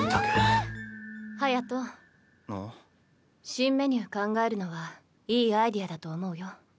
新メニュー考えるのはいいアイデアだと思うよ。